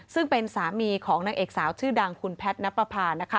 ซึ่งเป็นสามีของนางเอกสาวชื่อดังคุณแพทย์นับประพา